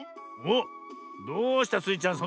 おっどうしたスイちゃん